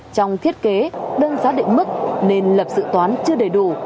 trong thiết kế đơn giá định mức nên lập dự toán chưa đầy đủ